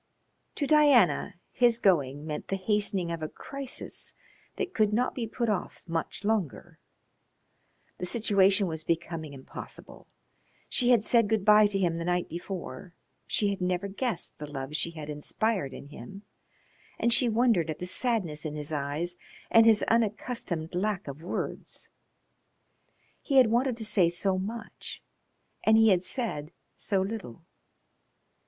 To Diana his going meant the hastening of a crisis that could not be put off much longer. The situation was becoming impossible. She had said good bye to him the night before. She had never guessed the love she had inspired in him, and she wondered at the sadness in his eyes and his unaccustomed lack of words. He had wanted to say so much and he had said so little.